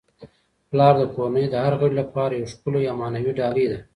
پلار د کورنی د هر غړي لپاره یو ښکلی او معنوي ډالۍ ده.